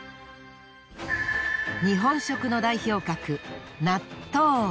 日本食の代表格。